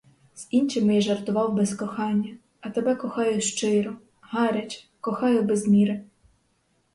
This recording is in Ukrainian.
З іншими я жартував без кохання, а тебе кохаю щиро, гаряче, кохаю без міри!